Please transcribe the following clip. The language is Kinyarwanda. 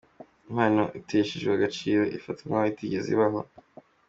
Impano iteshejwe agaciro, ifatwa nk’aho itigeze ibaho.